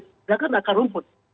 mereka akan akar rumput